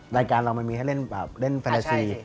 รายการเรามันมีให้เล่นแบบเล่นแฟนนาซี